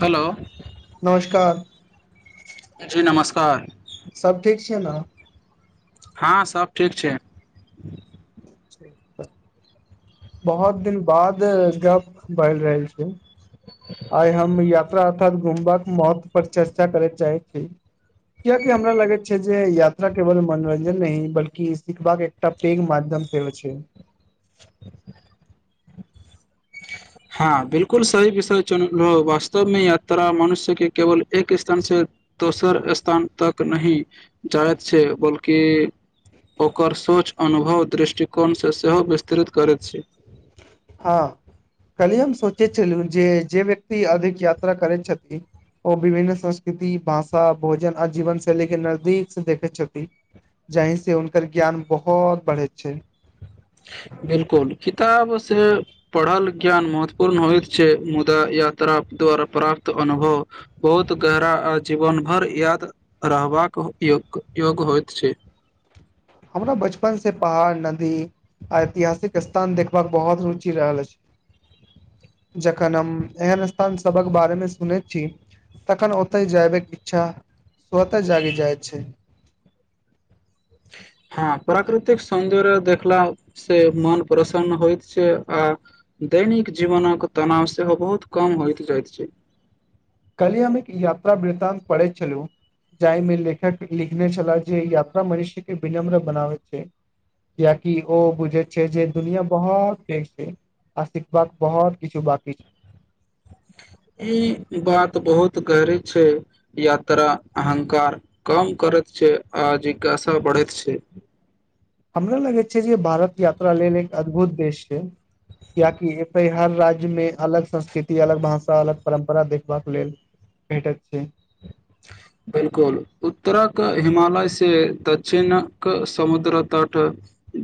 Hello नमस्कार जी नमस्कार सब ठीक छै ने हँ सभ ठीक छै बहुत दिन बाद गप बैल रहै आइ हम यात्रा अर्थात घुमबाक महत्व पर चर्चा करय चाहै छी कियाकि हमरा लगैत छै जे यात्रा केवल मनोरंजन नहि बल्कि सिखबाक एकटा पैघ माध्यम सेहो छै हँ बिल्कुल सही विषय चुनलहो वास्तव में यात्रा मनुष्यके केवल एक स्थानसँ दोसर स्थान तक नहि जाइत छै बल्कि ओकर सोच अनुभव दृष्टिकोणसँ सेहो विस्तृत करैत छै हँ कहलिय हम सोचैत छलहुँ जे जे व्यक्ति अधिक यात्रा करैत छथिन ओ विभिन्न संस्कृति भाषा भोजन आ जीवन शैलीके नजदीकसँ देखैत छथिन जाहिसँ हुनकर ज्ञान बहुत बढ़ैत छै बिल्कुल किताब से पढ़ल ज्ञान महत्वपूर्ण होइत छै मुदा यात्रा द्वारा प्राप्त अनुभव बहुत गहरा जीवन हर याद रहबाक योग योग्य होइत छै हमरा बचपन पहाड़ नदी आ ऐतिहासिक स्थान देखबाक बहुत रुचि रहल अछि जखन हम एहन स्थान सबक बारेमे सुनैत छी तखन ओतय जायबके इच्छा स्वतः जागि जाइत छै हँ प्राकृतिक सौन्दर्य देखलाास से मन प्रसन्न होइत छै आ दैनिक जीवनके तनाव सेहो बहुत कम होइत जाइत छै कल्हि हम एक यात्रा वृतान्त पढ़ैत छलु जाहिमे लेखक लिखने छले जे यात्रा मनुष्य के विनम्र बनाबैत छै कियकि ओ बुझैत छै जे दुनिया बहुत पैघ छै आ सिखबाक बहुत किछु बाकी छै ई बात बहुत गहरी छै यात्रा अहङकार कम करैत छै आ जिज्ञासा बढ़ैत छै हमरा लगै छै जे भारत यात्रा लेल एक अद्भुत देश छै क्याकी हर राज्य मे अलग संस्कृति अलग भाषा अलग परम्परा देखबाक लेल भेटैत छै बिल्कुल उत्तरक हिमालयसँ दक्षिणक समुद्र तट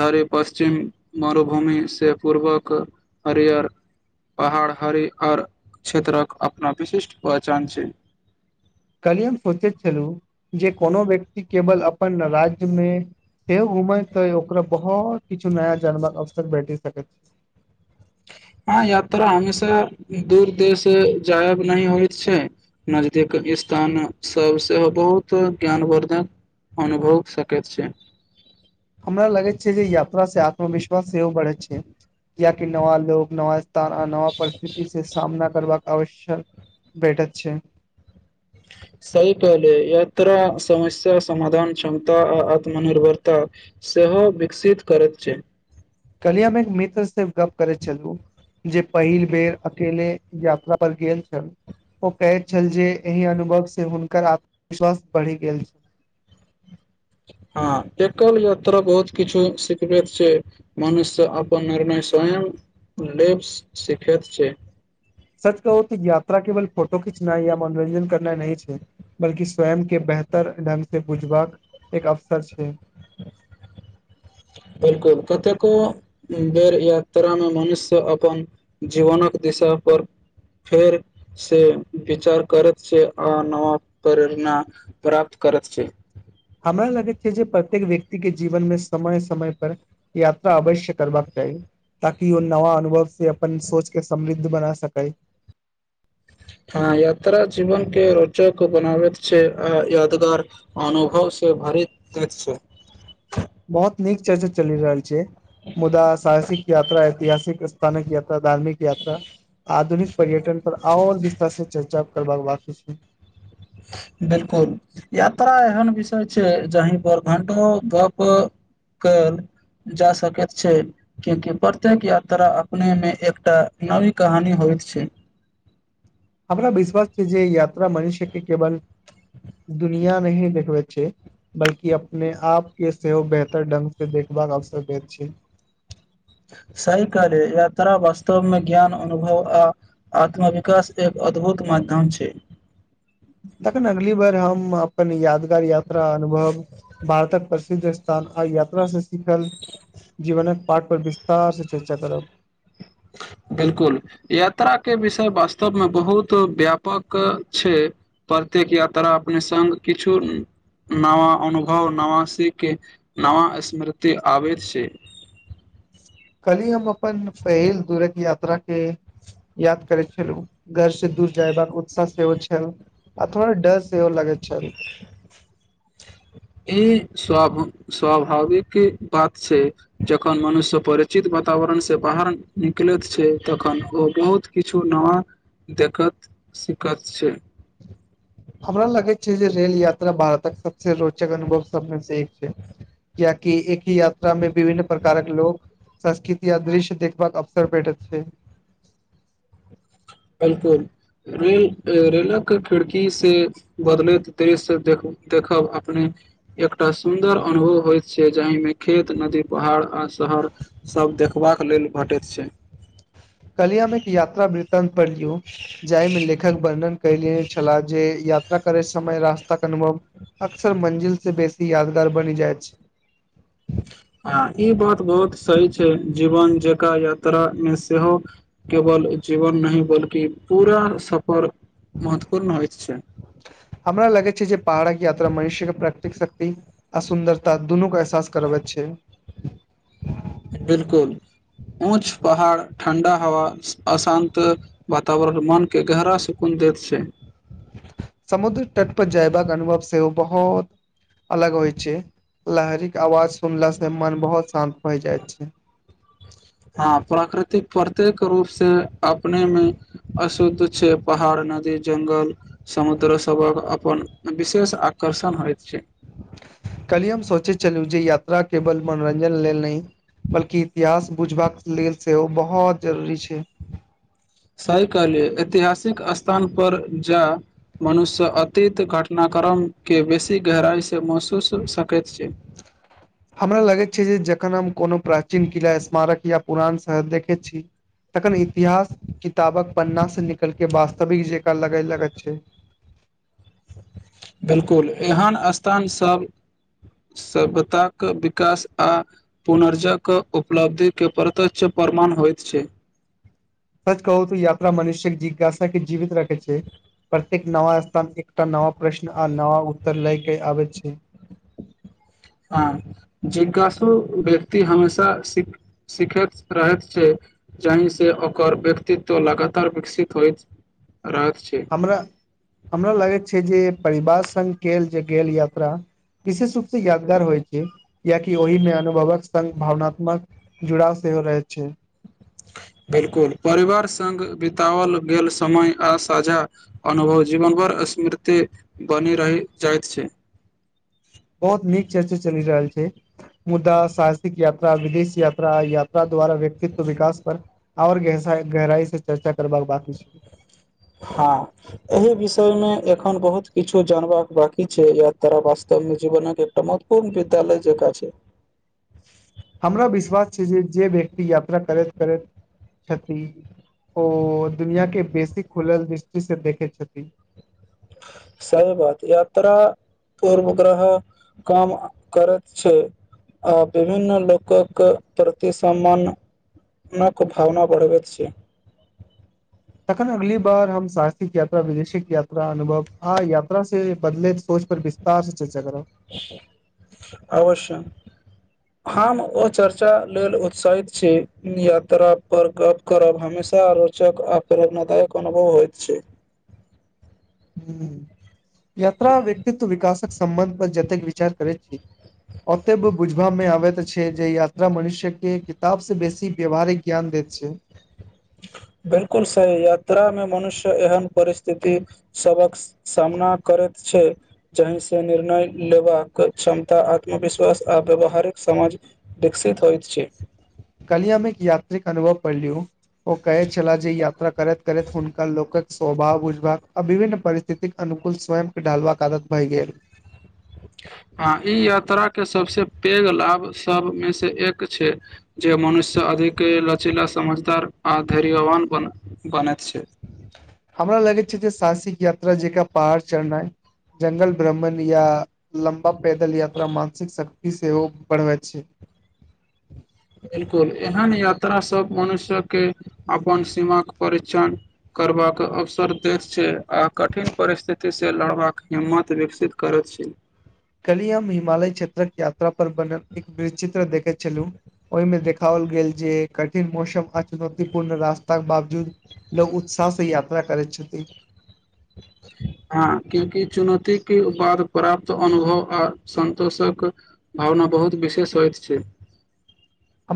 धरि पश्चिम मरुभूमिसँ पूर्वक हरियर पहाड़ हरिहर क्षेत्रक अपना विशिष्ट पहचान छै कलिय हम सोचैत छलहु जे कोनो व्यक्ति केवल अपन राज्य मे सेहो घुमै त ओकरा बहुत किछु नया जनबाक अवसर भेट सकैत छै हँ यात्रा हमेशा दूर देस जायब नहि होइत छै नजदीक स्थान सभ सेहो बहुत ज्ञानवर्द्धक अनुभव सकैत छै हमरा लगैत छै जे यात्रा से आत्मविश्वास सेहो बढ़ै छै कियकि नवा लोग नवा नवा परिस्थिति से सामना करबाक अवश्यक भेटत छै सहि क लेले यात्रा समस्या समाधान क्षमता आ आत्मनिर्भरता सेहो विकसित करैत छै कल्हिये एक मित्र से गप करैत छलू जे पहिल बेर अकेले यात्रा पर गेल छल ओ कहैत छल जे एहि अनुभव से हुनकर आत्मविश्वास बढ़ि गेल छनि हँ एकल यात्रा बहुत किछु सिखबैत छै मनुष्य अपन निर्णय स्वयं लेब सिखैत छै सच कहू त यात्रा केवल फोटो खिंचनाइ या मनोरञ्जन करना नहि छै बल्कि स्वयं के बेहतर ढंग से बुझबाक एक अवसर छै बिल्कुल कतेको बेर यात्रा में मनुष्य अपन जीवनक दिशा पर फेर से विचार करैत छै आ नवा प्रेरणा प्राप्त करैत छै हमरा लगैत छै जे प्रत्येक व्यक्ति के जीवन मे समय समय पर यात्रा अवश्य करबाक चाही ताकि ओ नवा अनुभव से अपन सोच के समृद्ध बना सकै हँ यात्रा जीवन के रोचक बनाबैत छै आ यादगार अनुभव से भरैत छै बहुत नीक चर्चा चलि रहल छै मुदा साहसिक यात्रा ऐतिहासिक तानक धार्मिक यात्रा आधुनिक पर्यटन पर आओर विस्तार से चर्चा कर करबाक बाकी छै। बिलकुल, यात्रा एहन विषय छै जाहि पर घंटो गप कयल जा सकैत छै कियाकि प्रत्येक यात्रा अपने मे एकटा नवी कहानी होइत छै। हमरा विश्वास छै जे यात्रा मनुष्य के केवल दुनिया नहि देखबैत छै बल्कि अपने आप के सेहो बेहतर ढंग से देखबाक अवसर दैत छै। सही कार्य यात्रा वास्तवमे ज्ञान अनुभव आ आत्मविकास एक अद्भुत माध्यम छै। तखन अगली बार हम अपन याद यात्रा अनुभव भारतक पर स्थान आइ यात्रा से सिखल जीवनक पाठ पर विस्तार से चर्चा करब बिल्कुल यात्राक के विषय वास्तवमे बहुत व्यापक छै प्रत्येक यात्रा अपने सङ्ग किछु नवा अनुभव नवा सीख नवा स्मृति आबैत छै हम अपन पहिल तुरक या तोरा के याद करै छलहुं। घर से दुर जयबाक उत्साह सेहो छै। यौअथवा डस सेहो लागैत छल। इ स्व स्वाभाविक बात छै जखन मनुष्य परिचित वातावरणसे बाहर निकलैत छै तखन ओ बहुत किछु नवा देखत सिखत छै। हमरा लगैत छै जे रेल यात्रा भारतक सबसे रोचक अनुभव सबमे से एक छै कियाकि एक ही यात्रा मे विभिन्न प्रकारक लोक, संस्कृति आ दृश्य देखबाक अवसर भेटैत छै बिलकुल, रेल रेलक खिड़की से बदलैत दृश्य देख देखब अपने एकटा सुन्दर अनुभव होइत छै जाहिमे खेत, नदी, पहाड़ आ शहर सब देख देखबाक लेल भेटैत छै। कलियामे एक यात्रा वृतान्त पढ़ियौ। जाहिमे लेखक वर्णन कयले छला जे यात्रा करे समय रास्ताक के अनुभव अक्सर मंजिल से बेसी यादगार बनि जाइत छै। आ ई बात बहुत सही छै जीवन जकां यात्रामे सेहो केवल जीवन नहि बल्कि पुरा सफर महत्वपूर्ण होइत छै। हमरा लगै छै जे पहाड़क यात्रा मनुष्यके प्राकृतिक शक्ति आ सुन्दरता दुनु के एहसास करबैत छै। बिलकुल, ऊँच पहाड़, ठण्डा हवा अशान्त वातावरण मनके गहरा सकुन दैत छै। समुद्र तट पर जयबाक अनुभव सेहो बहुत अलग होइ छै, लहरि के आवाज सुनला से मन बहुत शान्त भय जाइ छै। हँ प्राकृतिक प्रत्येक रूप से अपने मे अशुद्ध छै पहाड़ नदी जंगल समुद्र सबक अपन विशेष आकर्षण होयत छै। काल्हि हम सोचैत छलहुं जेे या यात्रा केवल मनोरंजन लेल नहि बल्कि इतिहास बुझबाक लेल सेहो बहुत जरूरी छै। सही कहलियै ऐतिहासिक स्थान पर जा मनुष्य अतीत घटनाक्रमके बेसी गहराइसे महसुस सकैत छै। हमरा लगैत छै जे जखन हम कोनो प्राचीन किला, स्मारक या पुरान शहर देखैत छी तखन इतिहास किताबक पन्नासँ निकल के वास्तविक जेकां लागय लगैत छै। बिलकुल एहन स्थानसभ सभ्यताक विकास आ पुनर्जक उपलब्धिके प्रत्यक्ष प्रमाण होइत छै। सच कहु त यात्रा मनुष्यक जिज्ञासा के जीवित रखै छै, प्रत्येक नव स्थान एकटा नव प्रश्न आ नव उत्तर लय के आबै छै। हां, जिज्ञासु व्यक्ति हमेशा सि सीखैत रहैत छै जाहिसे ओकर व्यक्तित्व लगातार विकसित होइत रहैत छै हमरा, हमरा लागैत छै जे परिवार संग कयल गेल यात्रा विशेष रूप से यादगार होइ छै कियाकि ओहिमे अनुभवक संग भावनात्मक जुड़ाव सेहो रहैत छै। बिलकुल, परिवार संग बिताओल गेल समय आ साझा अनुभव जीवनभर स्मृति बनी रहि जाइत छै। बहुत नीक चर्चा चलि रहल छै, मुदा साहसिक यात्रा विदेश यात्रा यात्रा द्वारा व्यक्तित्व विकास पर आओर गहरा गहराई से चर्चा करबाक बाकी छै। हां, एहि विषयमे एखन बहुत किछु जानबाक बाकी छै, यात्रा वास्तवमे जीवनक एकटा महत्वपूर्ण विद्यालय जेकां छै। हमरा विश्वास छै जे जे व्यक्ति यात्रा करैत करैत छथि ओ दुनियाके बेसी खुलल दृष्टिसँ देखैत छथिन। सही बात यात्रा पूर्वाग्रह काम करैत छै आ विभिन्न लोकक प्रति सम्मान नक भावना बढ़बैत छै तखन अगली बार हम सहसिक यात्रा विदेशिक यात्रा अनुभव आ यात्रा से बदलैत सोच पर विस्तार से चर्च अवश्य हम ओ चर्चा लेल उत्साहित छी, यात्रा पर गप करब हमेशा रोचक आ प्रेरणादायक अनुभव होइत छै। हूँ, यात्रा व्यक्तित्व विकासक सम्बन्ध पर जतेक विचार करै छी ओते बुझबामे आबैत छै जे यात्रा मनुष्यके किताबसँ बेसी व्यावहारिक ज्ञान दैत छै बिल्कुल सही यात्रा मे मनुष्य एहन परिस्थिति सबक सामना करैत छै जाहिसँ निर्णय लेबाक क्षमता आत्मविश्वास आ व्यावहारिक समाज विकसित होइत छै कल्हि मे एक यात्रीक अनुभव पलियू ओ कहे छलाह जे यात्रा करैत करैत हुनका लोकक स्वभाव बुझाव आ विभिन्न परिस्थितिक अनुकूल स्वयंके ढालबाक आदत भय गेल हँ ई यात्रा के सबस पैघ लाभ सबमे से एक छै जे मनुष्य अधिक लचीला समझदार आ धैर्यवान बने बने हमरा लगै छै जे साहसिक य पहाड़ चढ़नै जंगल भ्रमण या पैदल यात्रा मानसिक शक्त की सेहो बढ़बैत छै बिल्कुल एहन यात्रास सभ मनुष्यके अपन सीमाक परि्क्षण करबाक अवसर दैत छै आ कठिन परिस्थितिसँ लड़बाक हिम्मत विकसित करैत छै कली हम हिमालय क्षेत्रक यात्रा पर बने एक वि चित्र देखैत छल ओहिमे देखाओल गेल जे कठिन मौसम आ चुनौतीपूर्ण रास्ताक बावजूद लोग उत्साह से यात्रा करैत छथिन हँ क्यूँकि चुनौतीके बाद प्राप्त अनुभव आ सन्तोषक भावना बहुत विशेष होइत छै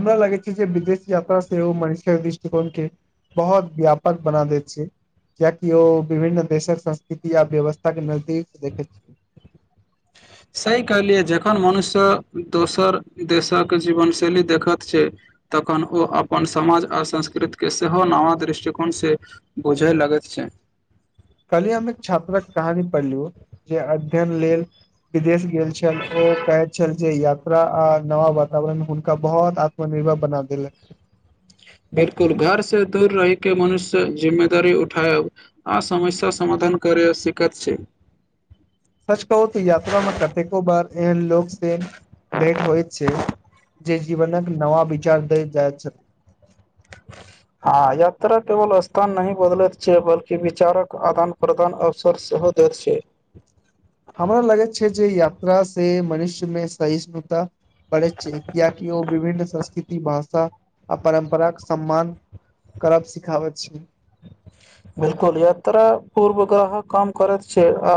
हमरा लगे छै जे विदेश यात्रा सेहो मनुष्य्यक दृष्टिकोण के बहुत व्यापक बना दे छै कियाकि ओ विभिन्न देशक संस्कृति य व्यवस्था के दीक छै देखै छै सही कहलियै जखन मनुष्य दोसर देशक जीवनशैली देखैत छै तखन ओ अपन समाज आओ संस्कृतिके सेहो नवा दृष्टिकोणसँ बुझय लगैत छै कलिये हम एक छात्रक कहानी पढ़लिय जे अध्ययन लेल विदेश गेल छलै छल जे यात्रा आ नवा वातावरण हुनका बहुत आत्मनिर्भर बना देलनि बिलकुल घर से दूर रहि के मनुष्य जिम्मेदारी उठायब आ समस्या समाधान करै शिकत छै सच कहू तऽ यात्रामे कतेको बार एहन लोक से भेट होइत छै जे जीवनक नव विचार दइत जाइत छथि हँ यात्रा केवल स्थान नहि बदलैत छै बल्कि विचारक आदान प्रदान अवसर सेहो दैत छै हमरा लागैत छै जे यात्रा से मनुष्य में सहिष्णुता बढ़ैत छै कियाकि ओ विभिन्न संस्कृति भाषा आ परम्पर के सम्मान करब सिखाबैत छै बिलकुल यात्रा पूर्वग्रह कम करैत छै आ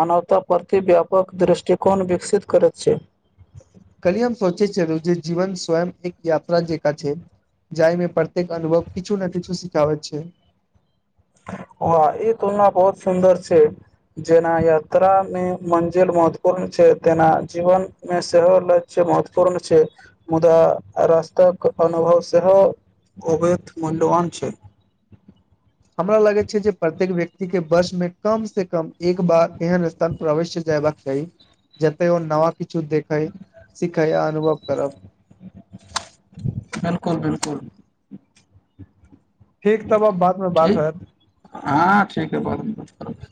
मानवता परति व्यापक दृष्टिकोण विकसित करैत छै कल्हि हम सोचे छलौं जे जीवन स्वयं एक यात्रा जेका छै जाहिमे प्रत्येक अनुभव किछु ने किछु सिखाबैत छै आ ई तुलना बहुत सुन्दर छै, जेना यात्रामे मंजिल महत्वपूर्ण छै, तना जीवन मे सेहोहो लक्ष्य महत्वपूर्ण छै मुदादा रस्तक अनुभव सेहोहो अत मूल्यवान छै हमरा लगैत छै जे प्रत्येक व्यक्ति के वर्ष मे कम से कम एक बार एहन स्थान प्रवेश्य जयबाक चाही जतय ओ नवा किछु देखै सिखै आ अनुभव करब कोर ठीक तब आब बाद मे ठ बात होयत हँ ठीक ह बहुत बत कर